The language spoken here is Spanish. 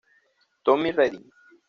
Tommy Redding